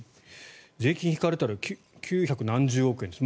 税金引かれたら９００何十億円です。